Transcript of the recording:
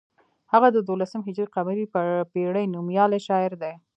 هغه د دولسم هجري قمري پیړۍ نومیالی شاعر دی.